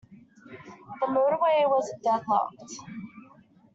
The motorway was deadlocked.